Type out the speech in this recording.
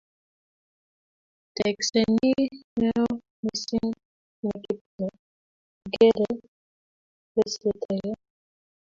teksee ni neoo mising ne Kiptoo ogeere besiet age